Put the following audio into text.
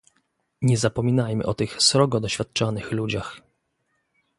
Nie zapominajmy o tych srogo doświadczanych ludziach